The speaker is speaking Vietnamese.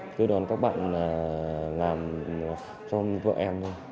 đưa đoán các bạn làm cho vợ em